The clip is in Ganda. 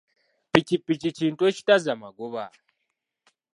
Ppikipiki kintu ekitazza magoba.